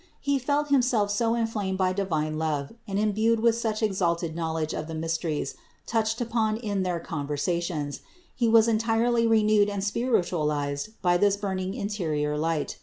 He felt himself so inflamed by divine love and imbued with such exalted knowledge of the mysteries touched upon in their conversations, that he was entirely renewed and spiritualized by this burning interior light.